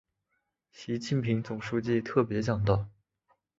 习近平总书记特别讲到